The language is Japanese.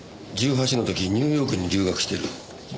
１８の時ニューヨークに留学してる。